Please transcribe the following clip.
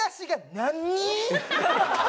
何？